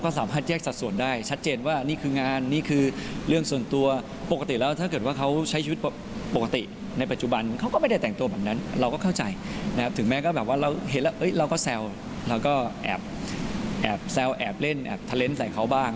แล้วเราเห็นแล้วเอ๊ยเราก็แซวเราก็แอบแอบแซวแอบเล่นแอบทะเล้นใส่เขาบ้าง